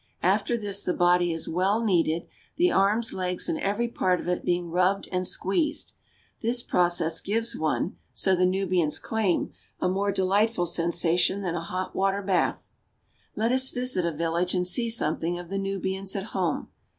i After this the body is well kneaded, the arms, legs, and every part of it being rubbed and squeezed ; this process gives one, so the Nubians claim, a more delightful sensa tion than a hot water bath. Let us visit a village and see something of the Nubians at home.